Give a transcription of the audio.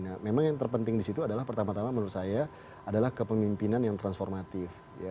nah memang yang terpenting di situ adalah pertama tama menurut saya adalah kepemimpinan yang transformatif